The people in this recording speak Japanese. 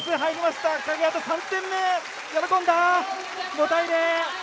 ５対０！